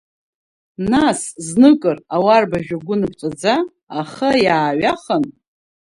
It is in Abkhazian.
Нас, зныкыр, ауарбажә агәы аныԥҵәаӡа, ахы иааҩахан…